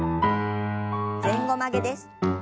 前後曲げです。